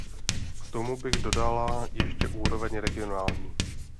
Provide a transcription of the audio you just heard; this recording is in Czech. K tomu bych dodala ještě úroveň regionální.